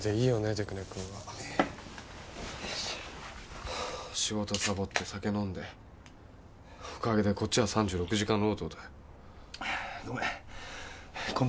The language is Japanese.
出久根君は仕事サボって酒飲んでおかげでこっちは３６時間労働だよごめん今度